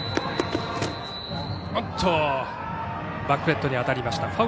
バックネットに当たりました。